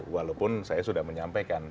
walaupun saya sudah menyampaikan